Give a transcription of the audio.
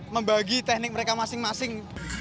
membagi teknik mereka masing masing